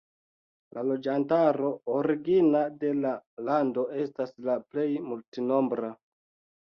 La loĝantaro origina de la lando estas la plej multnombra.